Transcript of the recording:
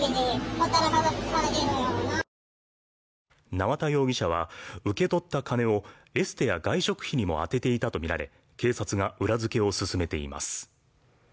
縄田容疑者は受け取った金を、エステや外食費にも充てていたとみられ、警察が裏付けを進めています。